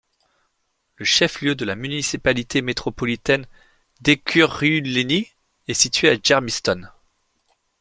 Le chef-lieu de la municipalité métropolitaine d'Ekurhuleni est situé à Germiston.